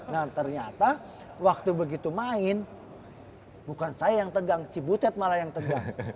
nah ternyata waktu begitu main bukan saya yang tegang cibutet malah yang tegang